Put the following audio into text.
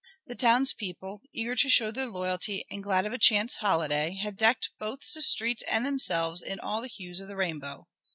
The townspeople, eager to show their loyalty and glad of a chance holiday, had decked both the streets and themselves in all the hues of the rainbow.